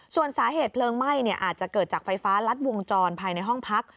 ส่วนสาเหตุเพลิงไหม้อาจจะเกิดจากไฟฟ้ารัดวงจรภายในห้องพัก